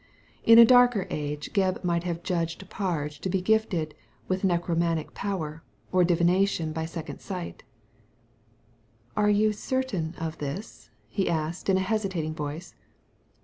In a darker age Gebb might have judged Parge to be gifted with necromantic power, or divination by second sight " Are you certain of this ?" he asked in a hesitating voice.